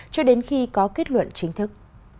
cho đến khi có kết luận chính thức